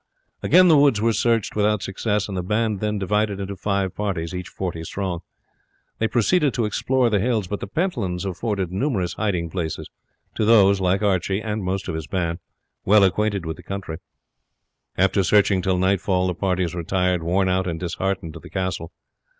Again the woods were searched without success, and the band then divided into five parties, each forty strong. They proceeded to explore the hills; but the Pentlands afforded numerous hiding places to those, like Archie and most of his band, well acquainted with the country; and after searching till nightfall the parties retired, worn out and disheartened, to the castle.